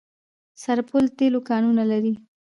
سرپل د تیلو کانونه لري